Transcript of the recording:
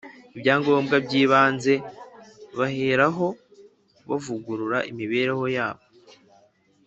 Ibyangombwa by ‘ibanze baheraho bavugurura imibereho yabo .